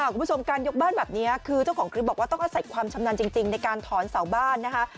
คุณผู้ชมการยกบ้านแบบนี้คือเจ้าของคลิปบอกว่าต้องอาศัยความชำนาญจริงในการถอนเสาบ้านนะคะ